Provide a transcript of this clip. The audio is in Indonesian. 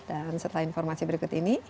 dan setelah informasi berikut ini